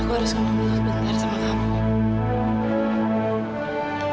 aku harus ngomong sebentar sama kamu